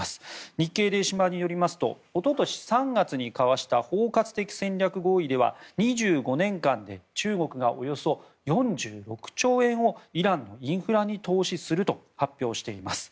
日経電子版によりますと一昨年３月に交わした包括的戦略合意では２５年間で中国がおよそ４６兆円をイランのインフラに投資すると発表しています。